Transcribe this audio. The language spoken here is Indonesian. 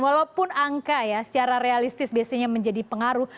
walaupun angka ya secara realistis biasanya menjadi pengaruh